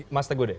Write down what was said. mas teguh deh